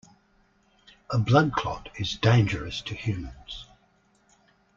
A blood clot is dangerous to humans.